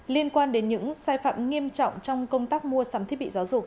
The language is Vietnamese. liên quan đến những sai phạm nghiêm trọng trong công tác mua sắm thiết bị giáo dục